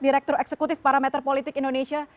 direktur eksekutif parameter politik indonesia